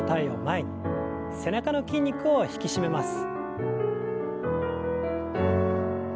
背中の筋肉を引き締めます。